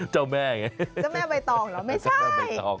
เจ้าแม่ไงเจ้าแม่ใบตองเหรอไม่ใช่